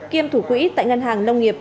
kiêm thủ quỹ tại ngân hàng nông nghiệp